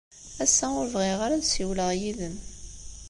Ass-a, ur bɣiɣ ara ad ssiwleɣ yid-m.